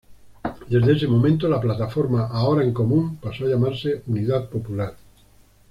Desde ese momento la plataforma Ahora en Común pasó a llamarse Unidad Popular.